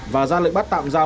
và ra lệnh bắt tạm giao